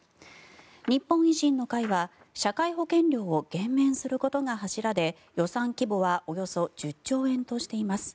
日本維新の会は社会保険料を減免することが柱で予算規模はおよそ１０兆円としています。